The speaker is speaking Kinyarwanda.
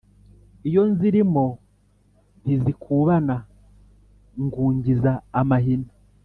Iyo nzilimo ntizikubana ngungiza amahina